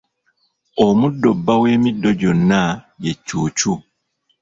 Omuddo bba w’emiddo gyonna ye cuucu.